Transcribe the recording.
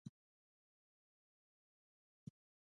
پاچا تل خلکو ته دروغ وعده ورکوي .